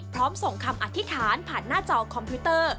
ส่งคำอธิษฐานผ่านหน้าจอคอมพิวเตอร์